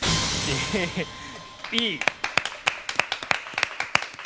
いい！